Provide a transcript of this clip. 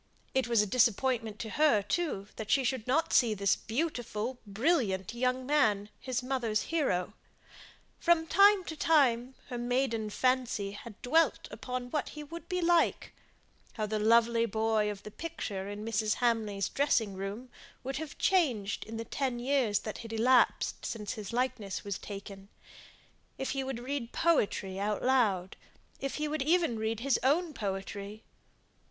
It was a disappointment to her, too, that she should not see this beautiful, brilliant young man, his mother's hero. From time to time her maiden fancy had dwelt upon what he would be like; how the lovely boy of the picture in Mrs. Hamley's dressing room would have changed in the ten years that had elapsed since the likeness was taken; if he would read poetry aloud; if he would even read his own poetry.